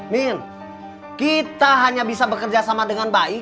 min kita hanya bisa bekerja sama dengan baik